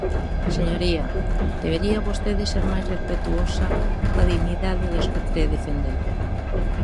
Señoría, debería vostede ser máis respectuosa coa dignidade dos que cre defender.